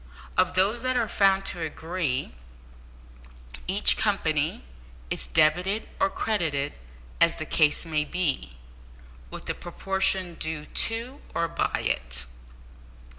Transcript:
Of those that are found to agree, each company is debited or credited, as the case may be, with the proportion due to or by it.